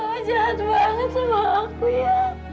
nont jahat banget sama aku ya